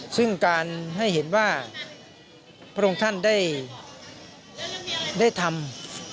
ซึ่งการให้เห็นว่าพระองค์ท่านได้ทำ